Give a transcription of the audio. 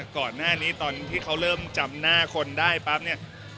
ก่อนหน้านี้ตอนที่เขาเริ่มจำหน้าคนได้ปั๊บเนี่ย